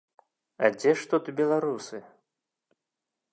А дзе ж тут беларусы?